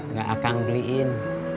nggak akan beliin